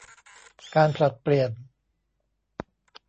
การผลัดเปลี่ยน